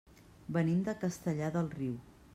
Venim de Castellar del Riu.